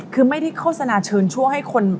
คือไม่ได้โฆษณาเชิญชั่วให้คน